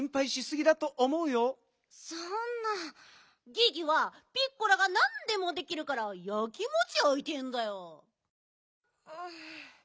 ギギはピッコラがなんでもできるからやきもちやいてんだよ。